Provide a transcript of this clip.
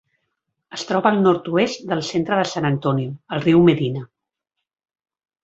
Es troba al nord-oest del centre de San Antonio, al riu Medina.